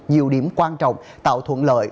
nhiều điểm quan trọng tạo thuận lợi